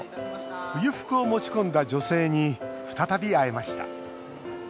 冬服を持ち込んだ女性に再び会えました。